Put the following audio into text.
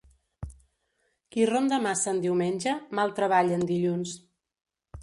Qui ronda massa en diumenge, mal treballa en dilluns.